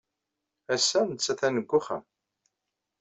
Ass-a, netta atan deg uxxam.